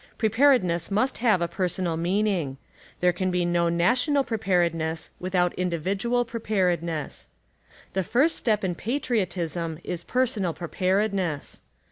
Preparedness must have a personal meaning. There can be no national preparedness without indi vidual preparedness. The first step in patriotism is personal preparedness.